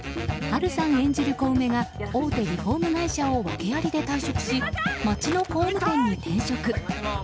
波瑠さん演じる小梅が大手リフォーム会社を訳ありで退職し町の工務店に転職。